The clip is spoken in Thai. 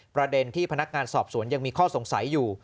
ประเด็นที่พนักงานสอบสวนยังมีข้อสงสัยอยู่